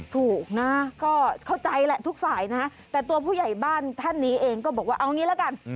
ถูกนะก็เข้าใจแหละทุกฝ่ายนะแต่ตัวผู้ใหญ่บ้านท่านนี้เองก็บอกว่าเอางี้ละกัน